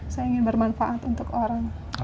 saya ingin bermanfaat untuk orang